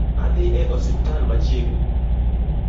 Adhi e osiptal machiegni